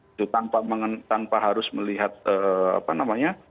itu tanpa harus melihat apa namanya